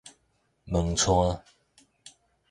門掣